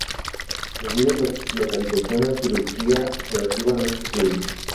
Debido a su localización la cirugía curativa no es posible.